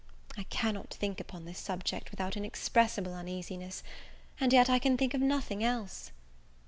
I cannot thimk upon this subject without inexpressible uneasiness; and yet I can think of nothing else.